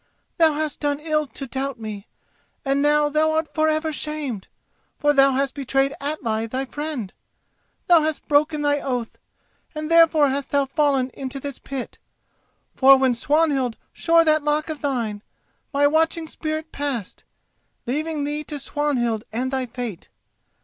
"Thou hast done ill to doubt me; and now thou art for ever shamed, for thou hast betrayed Atli, thy friend. Thou hast broken thy oath, and therefore hast thou fallen into this pit; for when Swanhild shore that lock of thine, my watching Spirit passed, leaving thee to Swanhild and thy fate.